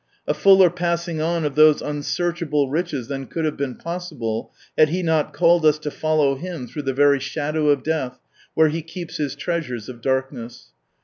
A fuller passing on of those un searchable riches than could have been possible, had He not called us to follow Him through the very shadow of death, where He keeps His treasures of darkness.